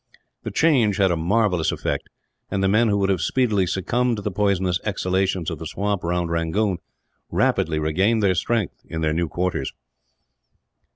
The change had a marvellous effect, and men who would have speedily succumbed to the poisonous exhalations of the swamps round Rangoon rapidly regained their strength, in their new quarters.